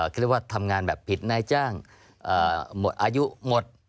คิดว่าทำงานแบบผิดนายจ้างอายุหมด